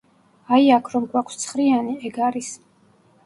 აი, აქ რომ გვაქვს ცხრიანი, ეგ არის.